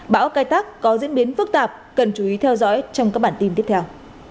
bão ca tắc có diễn biến phức tạp cần chú ý theo dõi trong các bản tin tiếp theo